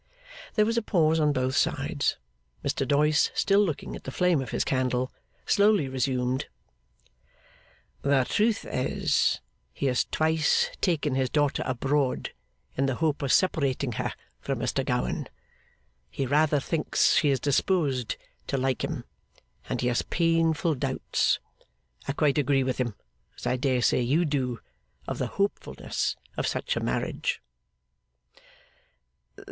There was a pause on both sides. Mr Doyce, still looking at the flame of his candle, slowly resumed: 'The truth is, he has twice taken his daughter abroad in the hope of separating her from Mr Gowan. He rather thinks she is disposed to like him, and he has painful doubts (I quite agree with him, as I dare say you do) of the hopefulness of such a marriage.